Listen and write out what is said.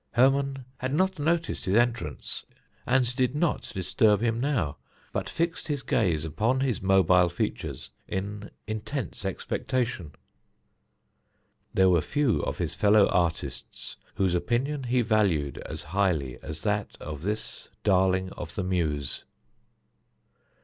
Hermon had not noticed his entrance, and did not disturb him now, but fixed his gaze upon his mobile features in intense expectation. There were few of his fellow artists whose opinion he valued as highly as that of this darling of the Muse.